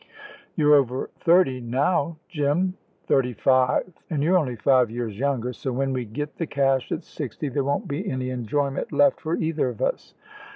"You're over thirty now, Jim." "Thirty five, and you're only five years younger; so when we get the cash at sixty there won't be any enjoyment left for either of us."